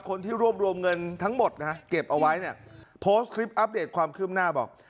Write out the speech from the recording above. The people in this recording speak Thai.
คนที่รวบรวมเงินทั้งหมดนะเก็บเอาไว้เนี่ยโพสต์คลิปอัปเดตความคืบหน้าบอก